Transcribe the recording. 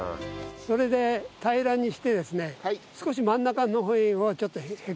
それで平らにしてですね少し真ん中の辺をちょっとへこませてください。